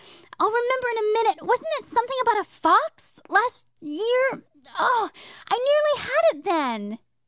I'll remember in a minute. Wasn't it something about a fox last year? Oh, I nearly had it then!